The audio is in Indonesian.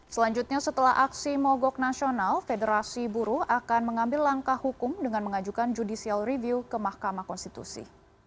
selanjutnya setelah aksi mogok nasional federasi buruh akan mengambil langkah hukum dengan mengajukan judicial review ke mahkamah konstitusi